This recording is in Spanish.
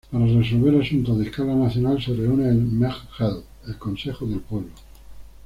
Para resolver asuntos de escala nacional se reúne el Mejk-Jel, el Consejo del Pueblo.